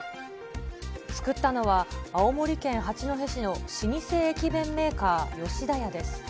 作ったのは、青森県八戸市の老舗駅弁メーカー、吉田屋です。